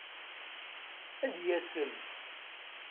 Ad yasem.